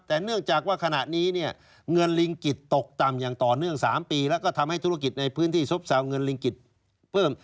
แต่เนื่องจากว่าขณะนี้เนี่ยเงินลิงกิจตกต่ำอย่างต่อเนื่อง๓ปีแล้วก็ทำให้ธุรกิจในพื้นที่ซบเซาเงินลิงกิจเพิ่ม